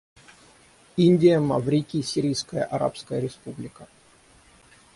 Индия, Маврикий, Сирийская Арабская Республика.